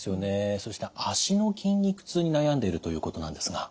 そして足の筋肉痛に悩んでいるということなんですが。